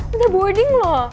udah boarding lho